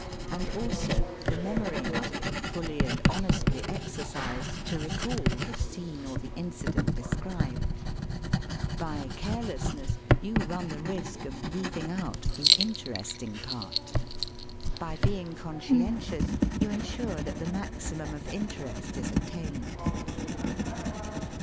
And also, the memory must be fully and honestly ex ercised to recall the scene or the incident de scribed. By carelessness you run the risk of 50 SELF AND SELF MANAGEMENT "leaving out the interestinfj part," By being conscientious you ensure that the maximum of in terest is attained.